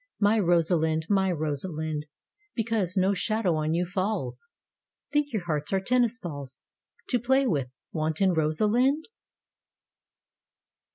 My Rosalind, my Rosalind, Because no shadow on you falls, Think you hearts are tennis balls To play with, wanton Rosalind?